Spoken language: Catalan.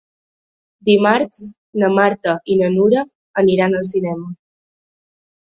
Dimarts na Marta i na Nura aniran al cinema.